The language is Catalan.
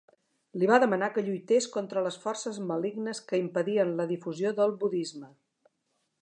Li va demanar que lluités contra les forces malignes que impedien la difusió del budisme.